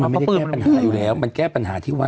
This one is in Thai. มันไม่ได้แก้ปัญหาอยู่แล้วมันแก้ปัญหาที่วัด